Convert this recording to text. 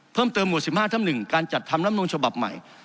เพิ่มเติมหมวดสิบห้าทั้งหนึ่งการจัดทำรับนูลฉบับใหม่